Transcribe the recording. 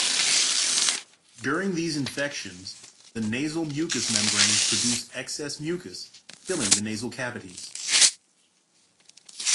During these infections, the nasal mucous membranes produce excess mucus, filling the nasal cavities.